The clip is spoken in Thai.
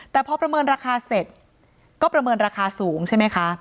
แต่พอประเมินราคาเสร็จก็ประเมินราคาสูงใช่ไหมคะ